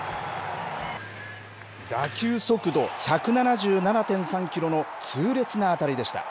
打球速度、１７７．３キロの痛烈な当たりでした。